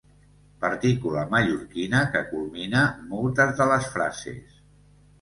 Partícula mallorquina que culmina moltes de les frases.